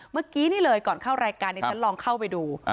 เมื่อกี้นี่เลยก่อนเข้ารายการดิฉันลองเข้าไปดู